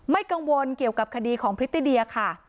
กังวลเกี่ยวกับคดีของพริตติเดียค่ะ